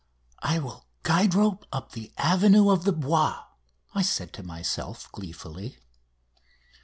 "I will guide rope up the avenue of the Bois," I said to myself gleefully.